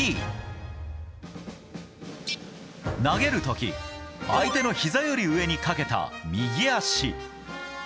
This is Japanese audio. Ｂ、投げる時相手のひざより上に掛けた右足。